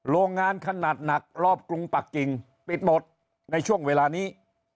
โรงงานขนาดหนักรอบกรุงปักกิ่งปิดหมดในช่วงเวลานี้